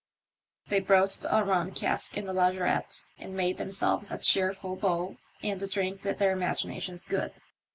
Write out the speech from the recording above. They broached a rum cask in the lazaretto and made themselves a cheerful bowl, and the drink did their imaginations good.